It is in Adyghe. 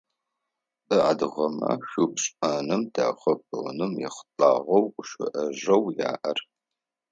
Бэ адыгэмэ шӏу пшӏэным, дахэ пӏоным ехьылӏагъэу гущыӏэжъэу яӏэр.